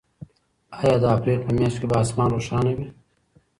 آیا د اپریل په میاشت کې به اسمان روښانه وي؟